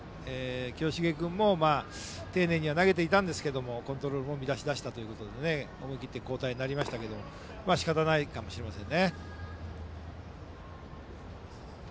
清重君も丁寧に投げていましたがコントロールを乱しだしたということで思い切って交代となりましたけどしかたないかもしれません。